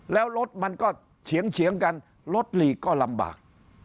แล้วรถมันก็เฉียงกันรถหลีกก็ลำบาก